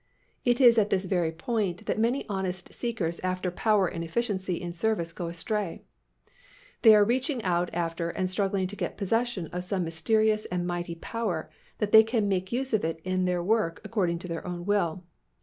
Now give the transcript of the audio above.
It is at this very point that many honest seekers after power and efficiency in service go astray. They are reaching out after and struggling to get possession of some mysterious and mighty power that they can make use of in their work according to their own will.